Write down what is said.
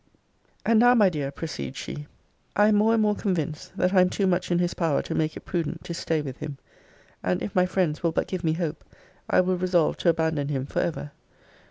And now, my dear, proceeds she, I am more and more convinced, that I am too much in his power to make it prudent to stay with him. And if my friends will but give me hope, I will resolve to abandon him for ever.